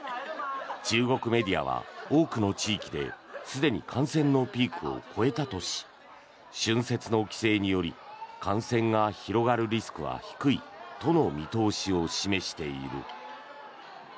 中国メディアは多くの地域ですでに感染のピークを越えたとし春節の帰省により感染が広がるリスクは低いとの見通しを示している。